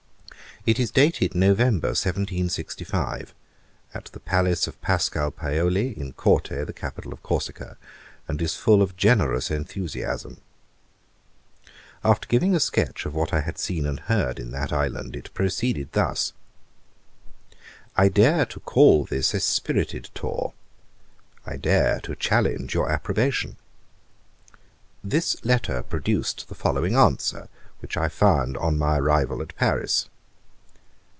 It is dated November, 1765, at the palace of Pascal Paoli, in Corte, the capital of Corsica, and is full of generous enthusiasm. After giving a sketch of what I had seen and heard in that island, it proceeded thus: 'I dare to call this a spirited tour. I dare, to challenge your approbation.' This letter produced the following answer, which I found on my arrival at Paris.